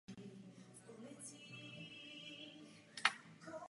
Jinak však byla hudba shledána „bez jakéhokoli určitého rázu“.